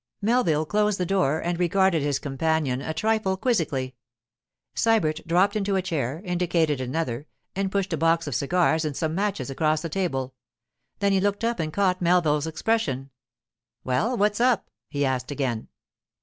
Melville closed the door and regarded his companion a trifle quizzically. Sybert dropped into a chair, indicated another, and pushed a box of cigars and some matches across the table; then he looked up and caught Melville's expression. 'Well, what's up?' he asked again.